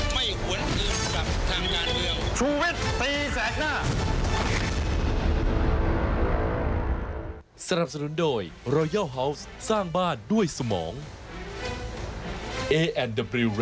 ไม่หวนอื่นกับทางงานเดียว